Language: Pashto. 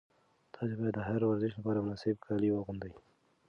تاسي باید د هر ورزش لپاره مناسب کالي واغوندئ.